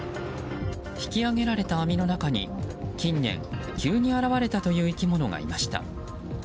引き揚げられた網の中に近年、急に現れたという生き物がいました。